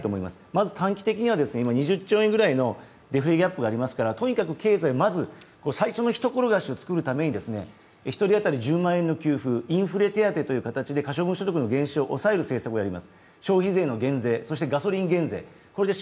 まず短期的には２０兆円ぐらいのデフレアップがありますから、とにかく経済をまず最初の一転がしを作るために１人当たり１０万円の給付、インフレ可処分所得の減収を抑える政策をやります、消費税の減税、そしてガソリン減税。